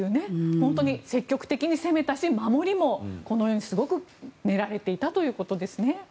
本当に積極的に攻めたし守りも、このようにすごく練られていたということですね。